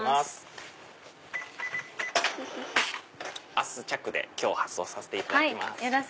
明日着で今日発送させていただきます。